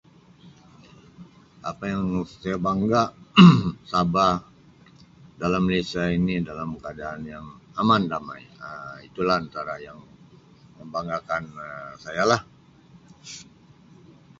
Apa yang saya bangga Sabah dalam malaysia ini dalam keadaan yang aman damai Um itu lah antara yang membanggakan Um saya lah.